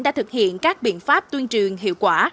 đã thực hiện các biện pháp tuyên truyền hiệu quả